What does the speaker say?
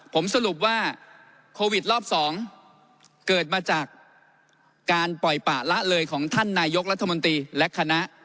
ผมสรุปว่าโควิดรอบ๒เกิดมาจากการปล่อยปะละเลยของท่านนายกรัฐมนตรีและคณะ